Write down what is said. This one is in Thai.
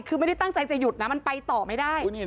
คือไม่ได้ตั้งใจจะหยุดนะมันไปต่อไม่ได้